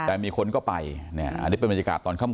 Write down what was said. แต่มีคนก็ไปอันนี้เป็นบรรยากาศตอนค่ำ